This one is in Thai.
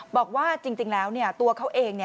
บอกว่าจริงแล้วตัวเขาเอง